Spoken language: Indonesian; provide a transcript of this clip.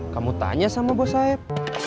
kamu tanya sama bos saeb